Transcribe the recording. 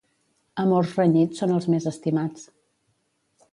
Amors renyits són els més estimats.